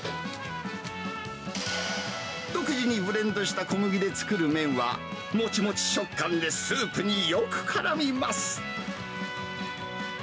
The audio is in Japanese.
独自にブレンドした小麦で作る麺は、もちもち食感でスープによくからみます。